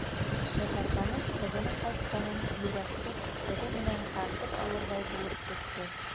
Шәһәрбаныу ҡыҙының ҡайтҡанын йөрәкһеп, тыны менән тартып алырҙай булып көттө.